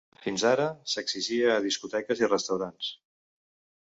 Fins ara, s’exigia a discoteques i restaurants.